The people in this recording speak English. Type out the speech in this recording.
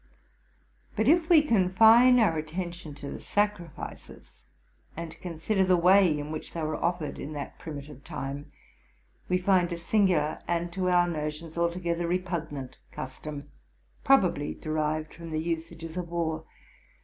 But if we confine our attention to the sacrifices, and consider the way in which they were offered in that primitive time, we find a singular, and, to our notions, altogether repugnant, cus tom, probably derived from the usages of war; viz.